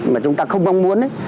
mà chúng ta không mong muốn